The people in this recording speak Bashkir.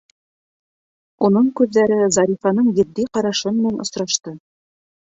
Уның күҙҙәре Зарифаның етди ҡарашы менән осрашты.